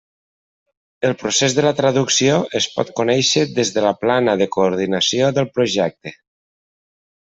El procés de la traducció es pot conèixer des de la plana de coordinació del projecte.